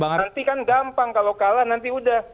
nanti kan gampang kalau kalah nanti udah